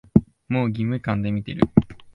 もう義務感で見てる